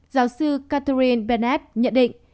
giáo sư catherine bennett nhận định